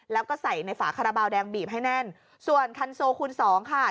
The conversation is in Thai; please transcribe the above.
แล้วก็ใส่ในฝาคาราบาลแดงบีบให้แน่นส่วนคันโซคูณสองค่ะ